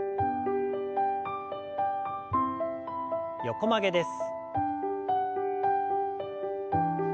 横曲げです。